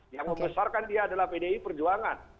yang membesarkan dia adalah pdi perjuangan